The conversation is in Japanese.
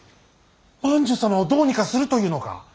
万寿様をどうにかするというのか。